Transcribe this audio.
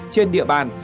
trên địa bàn